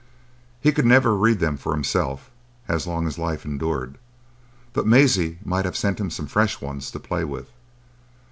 He could never read them for himself as long as life endured; but Maisie might have sent him some fresh ones to play with.